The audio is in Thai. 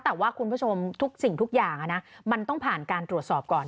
แต่ว่าคุณผู้ชมทุกสิ่งทุกอย่างมันต้องผ่านการตรวจสอบก่อน